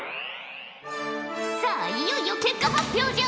さあいよいよ結果発表じゃ。